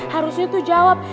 harusnya tuh jawab